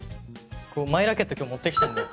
マイラケット今日持ってきたんだよ。